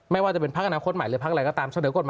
ไม่ว่าจะเป็นพักอนักความความหมายหรือพักอะไรก็ตามเสนวก่อน